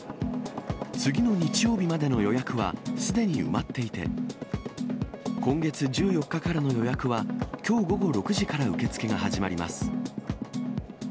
次の日曜日までの予約は、すでに埋まっていて、今月１４日からの予約はきょう午後６時から受け付けが始まります。